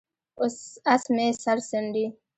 اس مې سر څنډي،